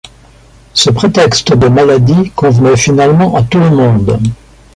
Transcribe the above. Ce prétexte de maladie convenait finalement à tout le monde.